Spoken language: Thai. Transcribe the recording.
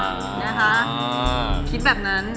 เนี่ยฮะคิดแบบนั้น